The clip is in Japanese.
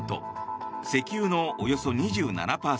石油のおよそ２７％